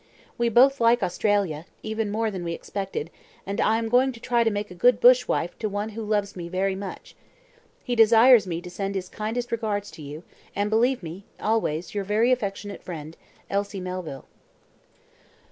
We both like Australia, even more than we expected, and I am going to try to make a good bush wife to one who loves me very much. He desires me to send his kindest regards to you; and believe me "Always, your very affectionate friend, "Elsie Melville."